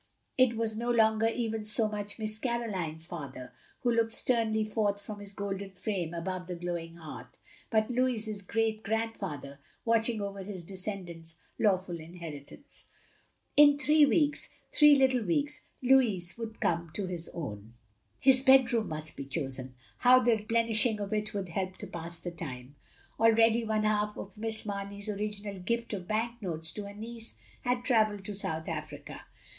It was no longer even so much Miss Caroline's father who looked sternly forth from his golden frame above the glowing hearth ; but Louis's great grandfather watching over his descendant's law ful inheritance. In three weeks, — ^three little weeks — ^Lotds would come to his own! His bedroom must be chosen. How the plenish ing of it would help to pass the time. Already one half of Miss Mamey's original gift of bank notes to her niece had travelled to South Africa.